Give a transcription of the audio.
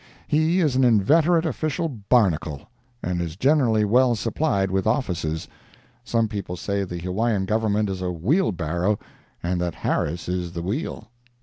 He is an inveterate official barnacle, and is generally well supplied with offices—some people say the Hawaiian Government is a wheel barrow, and that Harris is the wheel.